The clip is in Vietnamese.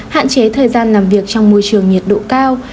hạn chế thời gian làm việc trong môi trường nhiệt độ cao